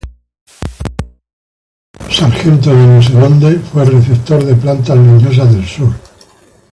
Sargent del Arnold Arboretum y fue receptor de plantas leñosas del sur.